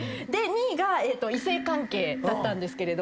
２位が異性関係だったんですけれども。